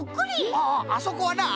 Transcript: あああそこはな